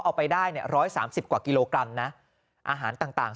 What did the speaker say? เอาไปได้เนี่ย๑๓๐กว่ากิโลกรัมนะอาหารต่าง